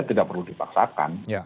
tidak perlu dipaksakan